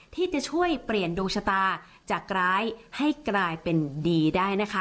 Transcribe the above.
ที่จะช่วยเปลี่ยนดวงชะตาจากร้ายให้กลายเป็นดีได้นะคะ